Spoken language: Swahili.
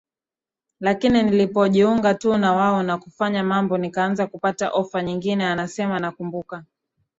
lakini nilipojiunga tu na wao na kufanya mambo nikaanza kupata ofa nyingine anasemaNakumbuka